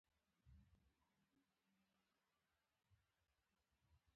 ژبه د افهام او تفهیم وسیله ده.